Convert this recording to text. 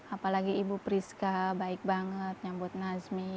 apalagi ibu priska baik banget nyambut nazmi